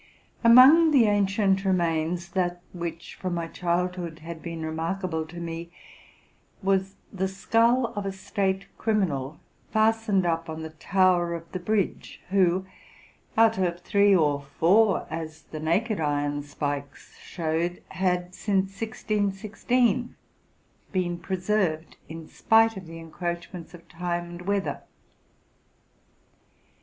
Among the ancient remains, that which, from my child hood, had been remarkable to me, was the skull of a State criminal, fastened up on the tower of the br idge, who, out of three or four, as the naked iron spikes showed, had, since 1616, been preserved in spite of the encroachments of time and weather.